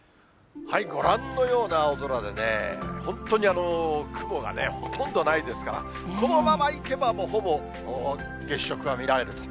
ご覧のような青空でね、本当に雲がほとんどないですから、このままいけば、ほぼ月食が見られると。